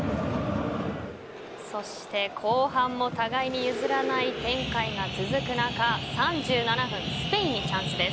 そして後半も互いに譲らない展開が続く中３７分、スペインにチャンスです。